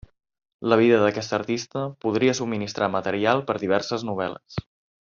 La vida d'aquesta artista podria subministrar material per a diverses novel·les.